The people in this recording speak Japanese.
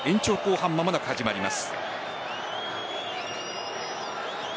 半間もなく始まります。